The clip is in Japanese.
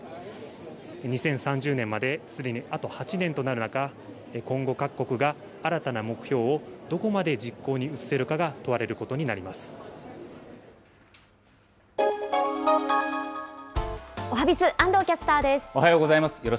２０３０年まですでにあと８年となる中、今後、各国が新たな目標をどこまで実行に移せるかが問われることになりおはＢｉｚ、安藤キャスターおはようございます。